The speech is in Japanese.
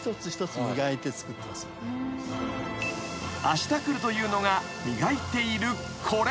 ［あした来るというのが磨いているこれ］